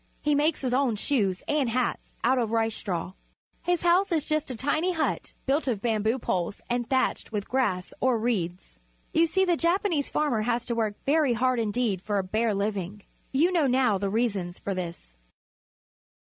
He makes his own shoes and hats out of rice straw. His house is just a tiny hut, built of bamboo poles and thatched with grass or reeds. You see the Japanese farmer has to work very hard indeed for a bare living. You know now the reasons for this.